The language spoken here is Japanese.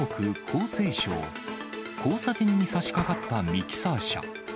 交差点にさしかかったミキサー車。